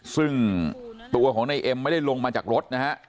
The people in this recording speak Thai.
ซึ่งตัวของนายเอ็มไม่ได้ลงมาจากรถนะฮะ